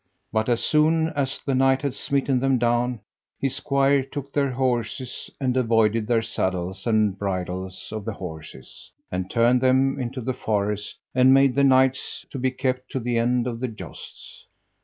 But as soon as the knight had smitten them down, his squire took their horses, and avoided their saddles and bridles of the horses, and turned them into the forest, and made the knights to be kept to the end of the jousts.